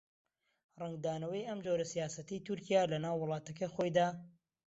ڕەنگدانەوەی ئەم جۆرە سیاسەتەی تورکیا لەناو وڵاتەکەی خۆیدا